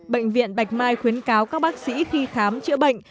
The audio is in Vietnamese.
bệnh viện bạch mai khuyến cáo các bác sĩ khi khám chữa bệnh